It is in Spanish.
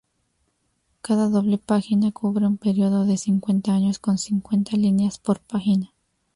Cada doble página cubre un período de cincuenta años, con cincuenta líneas por página.